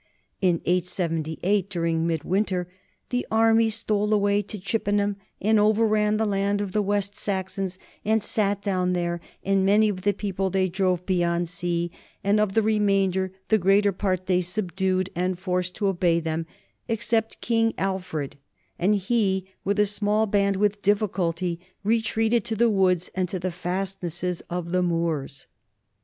In 878 dur ing midwinter "the army stole away to Chippenham and overran the land of the West Saxons and sat down there; and many of the people they drove beyond sea, and of the remainder the greater part they subdued and forced to obey them except King Alfred, and he, with a small band, with difficulty retreated to the woods and to the fastnesses of the moors."